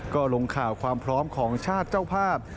ก็ลงข่าวความพร้อมของชาติเจ้าภาพ